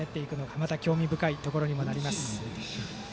また興味深いところにもなります。